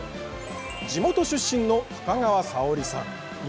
地元出身の深川沙央里さん。